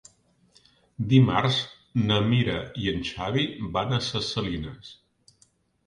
Dimarts na Mira i en Xavi van a Ses Salines.